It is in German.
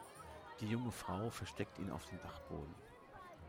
Die junge Frau versteckt ihn auf dem Dachboden.